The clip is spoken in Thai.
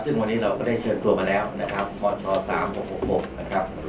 ซึ่งวันนี้เราก็ได้เชิญตัวมาแล้วนะครับพช๓๖๖นะครับ